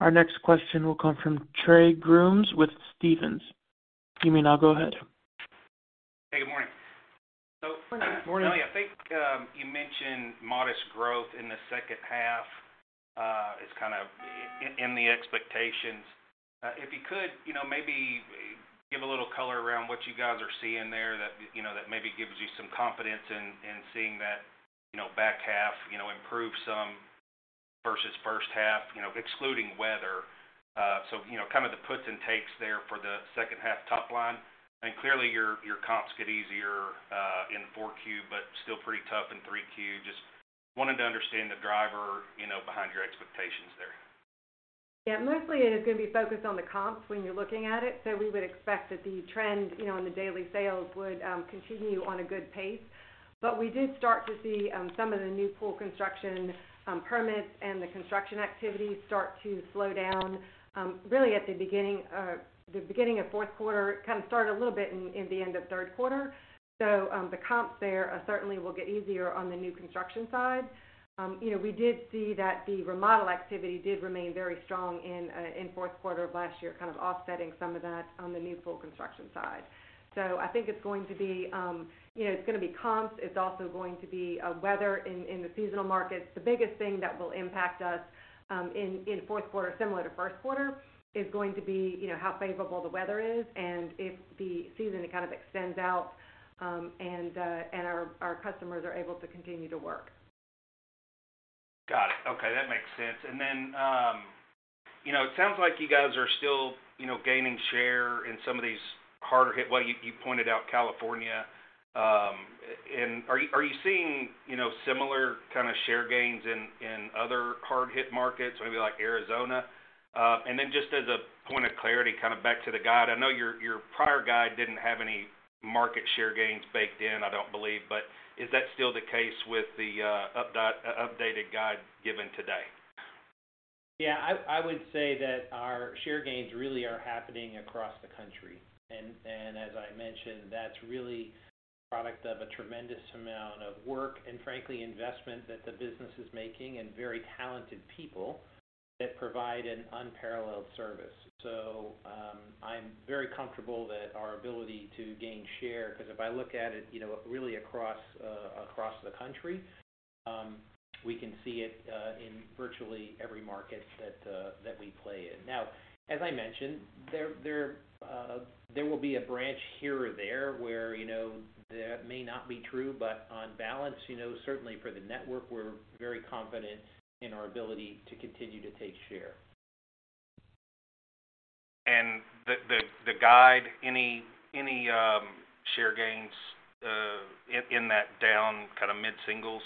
Our next question will come from Trey Grooms with Stephens. You may now go ahead. Hey, good morning. Good morning. Melanie, I think, you mentioned modest growth in the second half. It's kind of in the expectations. If you could, you know, maybe give a little color around what you guys are seeing there that, you know, that maybe gives you some confidence in seeing that, you know, back half, you know, improve some versus first half, you know, excluding weather. Kind of the puts and takes there for the second half top line. Clearly, your comps get easier in 4Q, but still pretty tough in 3Q. Just wanted to understand the driver, you know, behind your expectations there. Mostly it is gonna be focused on the comps when you're looking at it. We would expect that the trend, you know, on the daily sales would continue on a good pace. We did start to see some of the new pool construction permits and the construction activity start to slow down really at the beginning, the beginning of fourth quarter. It kind of started a little bit in the end of third quarter. The comps there certainly will get easier on the new construction side. You know, we did see that the remodel activity did remain very strong in fourth quarter of last year, kind of offsetting some of that on the new pool construction side. I think it's going to be, you know, it's gonna be comps. It's also going to be weather in the seasonal markets. The biggest thing that will impact us in fourth quarter, similar to first quarter, is going to be, you know, how favorable the weather is and if the season kind of extends out, and our customers are able to continue to work. Got it. Okay, that makes sense. You know, it sounds like you guys are still, you know, gaining share in some of these harder hit. Well you pointed out California. Are you seeing, you know, similar kind of share gains in other hard-hit markets, maybe like Arizona? Just as a point of clarity, kind of back to the guide, I know your prior guide didn't have any market share gains baked in, I don't believe. Is that still the case with the updated guide given today? I would say that our share gains really are happening across the country. As I mentioned, that's really a product of a tremendous amount of work and frankly investment that the business is making and very talented people that provide an unparalleled service. I'm very comfortable that our ability to gain share, 'cause if I look at it, you know, really across the country, we can see it in virtually every market that we play in. As I mentioned, there will be a branch here or there where, you know, that may not be true, but on balance, you know, certainly for the network, we're very confident in our ability to continue to take share. The guide, any share gains, in that down kind of mid-singles?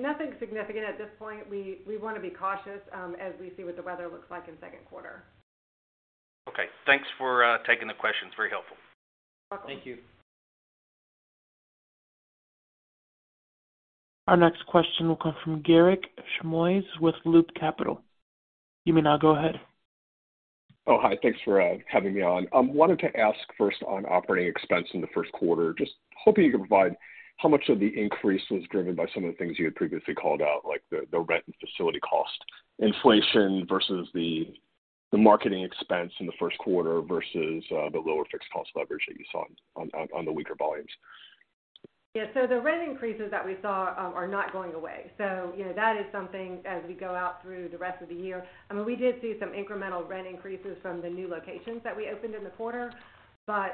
Nothing significant at this point. We wanna be cautious, as we see what the weather looks like in second quarter. Okay. Thanks for taking the questions. Very helpful. You're welcome. Thank you. Our next question will come from Garik Shmois with Loop Capital. You may now go ahead. Oh, hi. Thanks for having me on. Wanted to ask first on operating expense in the first quarter. Just hoping you could provide how much of the increase was driven by some of the things you had previously called out, like the rent and facility cost inflation versus the marketing expense in the first quarter versus the lower fixed cost leverage that you saw on the weaker volumes? Yeah. The rent increases that we saw are not going away. You know, that is something as we go out through the rest of the year. I mean, we did see some incremental rent increases from the new locations that we opened in the quarter. The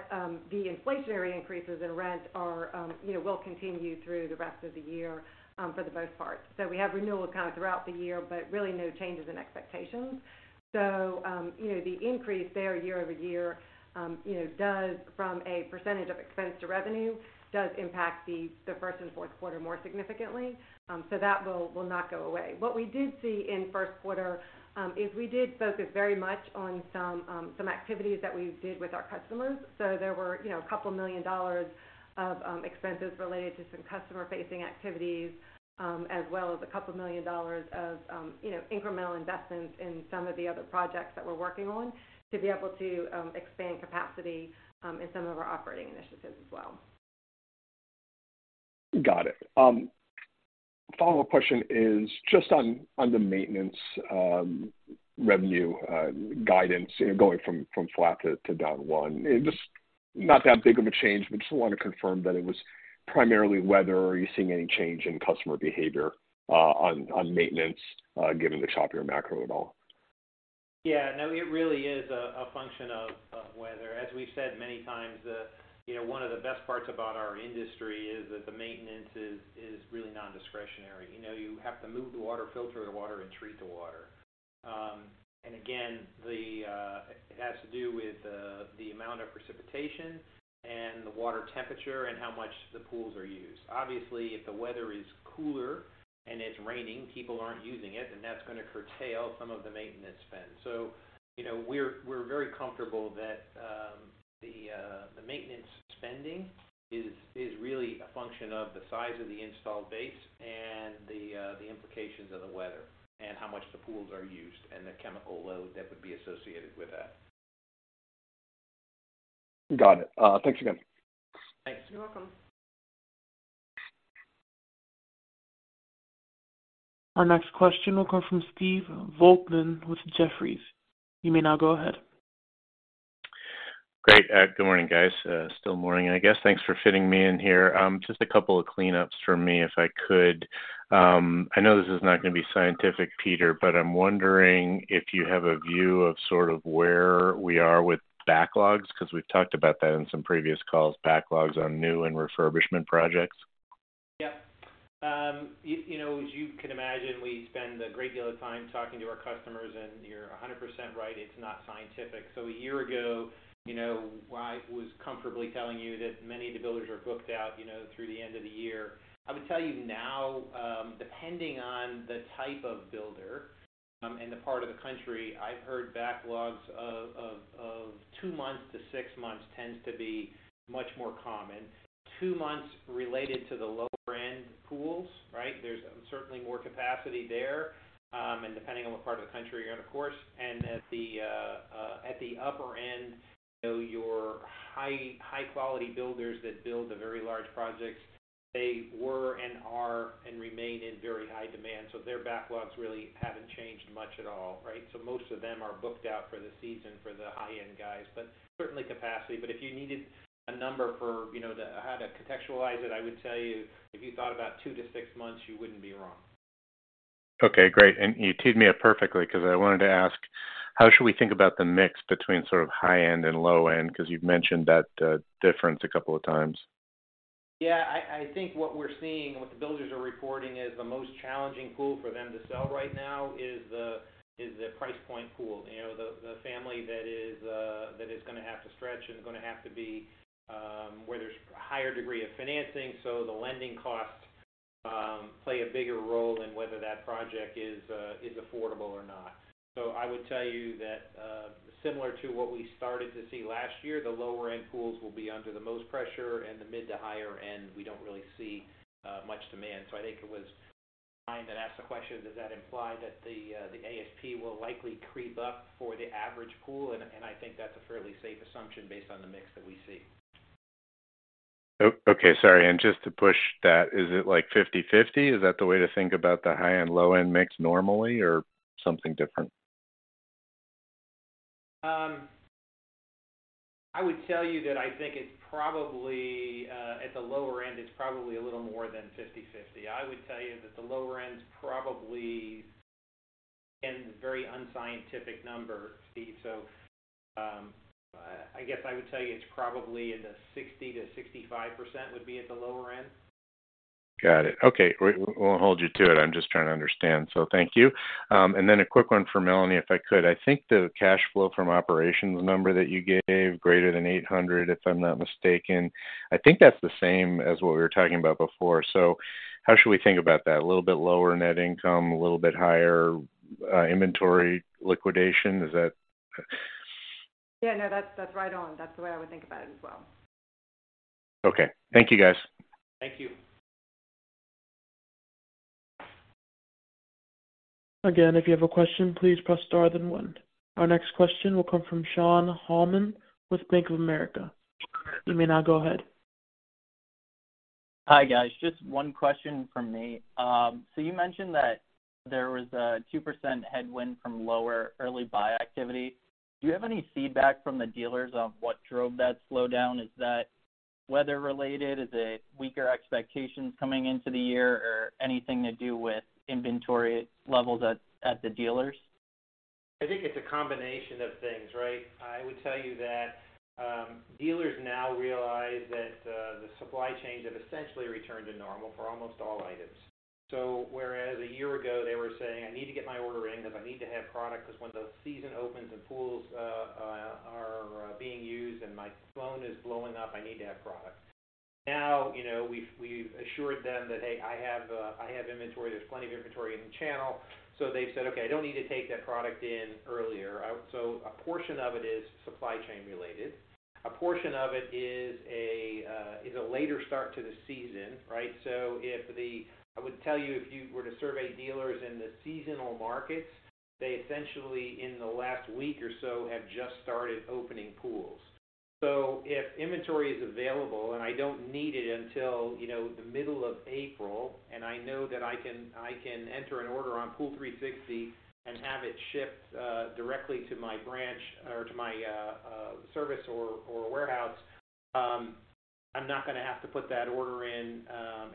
inflationary increases in rent are, you know, will continue through the rest of the year for the most part. We have renewal kind of throughout the year, really no changes in expectations. You know, the increase there year-over-year, you know, does from a percentage of expense to revenue, does impact the first and fourth quarter more significantly. That will not go away. What we did see in first quarter, is we did focus very much on some activities that we did with our customers. There were, you know, $2 million of expenses related to some customer-facing activities, as well as $2 million of, you know, incremental investments in some of the other projects that we're working on to be able to expand capacity in some of our operating initiatives as well. Got it. Follow-up question is just on the maintenance revenue guidance, you know, going from flat to down 1%. It just not that big of a change, but just wanna confirm that it was primarily weather or are you seeing any change in customer behavior on maintenance given the choppier macro and all? Yeah. No, it really is a function of weather. As we've said many times, you know, one of the best parts about our industry is that the maintenance is really non-discretionary. You know, you have to move the water, filter the water, and treat the water. And again, it has to do with the amount of precipitation and the water temperature and how much the pools are used. Obviously, if the weather is cooler and it's raining, people aren't using it, and that's gonna curtail some of the maintenance spend. You know, we're very comfortable that the maintenance spending is really a function of the size of the installed base and the implications of the weather and how much the pools are used and the chemical load that would be associated with that. Got it. Thanks again. Thanks. You're welcome. Our next question will come from Stephen Volkmann with Jefferies. You may now go ahead. Good morning, guys. Still morning, I guess. Thanks for fitting me in here. Just a couple of cleanups from me if I could. I know this is not gonna be scientific, Peter, but I'm wondering if you have a view of sort of where we are with backlogs, 'cause we've talked about that in some previous calls, backlogs on new and refurbishment projects. Yep. You know, as you can imagine, we spend a great deal of time talking to our customers, and you're 100% right, it's not scientific. A year ago, you know, I was comfortably telling you that many of the builders are booked out, you know, through the end of the year. I would tell you now, depending on the type of builder, and the part of the country, I've heard backlogs of two months to six months tends to be much more common. Two months related to the lower-end pools, right? There's certainly more capacity there, and depending on what part of the country you're in, of course. At the upper end, you know, your high-quality builders that build the very large projects, they were and are and remain in very high demand, so their backlogs really haven't changed much at all, right? Most of them are booked out for the season for the high-end guys, but certainly capacity. If you needed a number for, you know, to how to contextualize it, I would tell you if you thought about two to six months, you wouldn't be wrong. Okay, great. You teed me up perfectly 'cause I wanted to ask, how should we think about the mix between sort of high end and low end? You've mentioned that difference a couple of times. Yeah. I think what we're seeing, what the builders are reporting is the most challenging pool for them to sell right now is the, is the price point pool. You know, the family that is gonna have to stretch and gonna have to be where there's higher degree of financing, so the lending costs play a bigger role in whether that project is affordable or not. I would tell you that similar to what we started to see last year, the lower-end pools will be under the most pressure, and the mid to higher end, we don't really see much demand. I think it was. Asked the question, does that imply that the ASP will likely creep up for the average pool? I think that's a fairly safe assumption based on the mix that we see. Oh, okay. Sorry. Just to push that, is it like 50/50? Is that the way to think about the high and low end mix normally or something different? I would tell you that I think it's probably, at the lower end, it's probably a little more than 50/50. I would tell you that the lower end's probably, again, very unscientific number, Steve. I guess I would tell you it's probably in the 60%-65% would be at the lower end. Got it. Okay. We won't hold you to it. I'm just trying to understand. Thank you. And then a quick one for Melanie, if I could. I think the cash flow from operations number that you gave, greater than $800, if I'm not mistaken. I think that's the same as what we were talking about before. How should we think about that? A little bit lower net income, a little bit higher, inventory liquidation? Is that? Yeah, no, that's right on. That's the way I would think about it as well. Okay. Thank you, guys. Thank you. Again, if you have a question, please press star then one. Our next question will come from Shaun Calnan with Bank of America. You may now go ahead. Hi, guys. Just one question from me. You mentioned that there was a 2% headwind from lower early buy activity. Do you have any feedback from the dealers on what drove that slowdown? Is that weather-related? Is it weaker expectations coming into the year or anything to do with inventory levels at the dealers? I think it's a combination of things, right? I would tell you that, dealers now realize that, the supply chains have essentially returned to normal for almost all items. Whereas a year ago they were saying, "I need to get my order in 'cause I need to have product 'cause when the season opens and pools are being used and my phone is blowing up, I need to have product." Now, you know, we've assured them that, "Hey, I have inventory. There's plenty of inventory in the channel." They've said, "Okay, I don't need to take that product in earlier." A portion of it is supply chain related. A portion of it is a later start to the season, right? If the... I would tell you, if you were to survey dealers in the seasonal markets, they essentially in the last week or so have just started opening pools. If inventory is available and I don't need it until, you know, the middle of April, and I know that I can enter an order on POOL360 and have it shipped directly to my branch or to my service or warehouse, I'm not gonna have to put that order in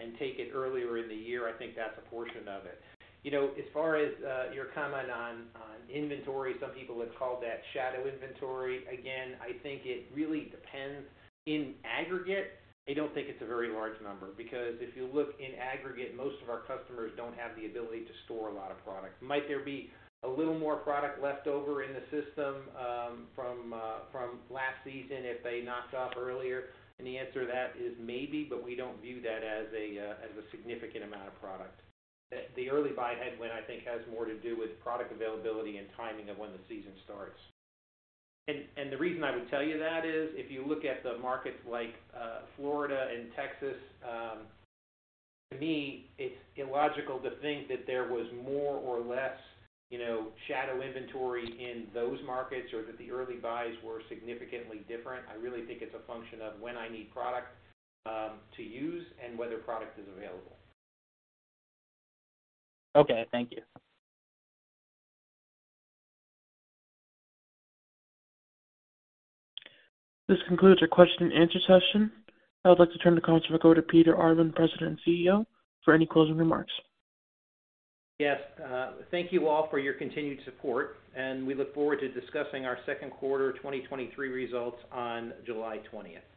and take it earlier in the year. I think that's a portion of it. You know, as far as your comment on inventory, some people would call that shadow inventory. Again, I think it really depends. In aggregate, I don't think it's a very large number because if you look in aggregate, most of our customers don't have the ability to store a lot of product. Might there be a little more product left over in the system from last season if they knocked off earlier? The answer to that is maybe, but we don't view that as a significant amount of product. The early buy headwind, I think, has more to do with product availability and timing of when the season starts. The reason I would tell you that is if you look at the markets like Florida and Texas, to me, it's illogical to think that there was more or less, you know, shadow inventory in those markets or that the early buys were significantly different. I really think it's a function of when I need product, to use and whether product is available. Okay. Thank you. This concludes our question and answer session. I would like to turn the conference back over to Peter Arvan, President and CEO, for any closing remarks. Yes. thank you all for your continued support, and we look forward to discussing our second quarter 2023 results on July 20th. Have a good day.